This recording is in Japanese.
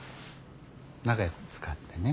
仲よく使ってね。